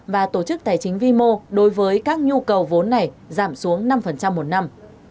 và tổ chức tài chính vimo đối với các nhu cầu vốn này giảm xuống năm một năm